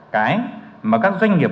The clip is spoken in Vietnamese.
cái mà các doanh nghiệp